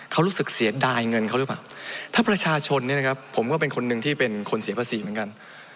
เขารู้สึกเสียดายเงินเขาหรือเปล่าถ้าประชาชนเนี่ยนะครับผมก็เป็นคนหนึ่งที่เป็นคนเสียภาษีเหมือนกัน